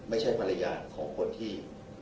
ไม่ใช่ภรรยาของคนที่